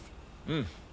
うん。